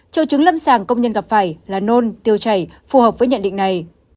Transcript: triệu chứng lâm sàng công nhân gặp phải là nôn tiêu chảy phù hợp với nhận định này